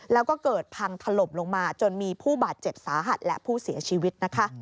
แล้วก็เกิดพังถล่มลงมาจนมีผู้บาดเจ็บสาหัสและผู้เสียชีวิตนะคะ